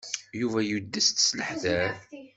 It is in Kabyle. Yuba yudes-d s leḥder.